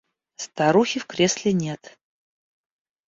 Старухи в кресле нет.